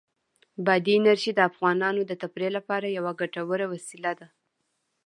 بادي انرژي د افغانانو د تفریح لپاره یوه ګټوره وسیله ده.